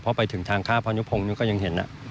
เพราะไปถึงทางข้ามโพงก็ยังเห็น